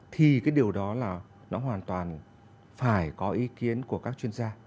thì cái điều đó là nó hoàn toàn phải có ý kiến của các chuyên gia